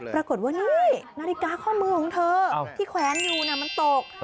ปรากฏว่านี่นาฬิกาข้อมือของเธอที่แขวนอยู่มันตก